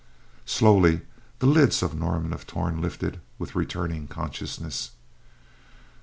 Slowly, the lids of Norman of Torn lifted with returning consciousness.